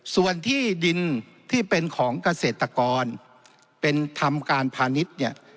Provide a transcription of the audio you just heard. ส่วนที่ดินที่เป็นของเกษตรกรเป็นทำการพาณิชย์เนี่ย